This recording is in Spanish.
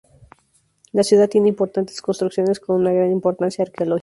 La ciudad tiene importantes construcciones con una gran importancia arqueológica.